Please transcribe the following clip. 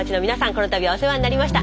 このたびはお世話になりました。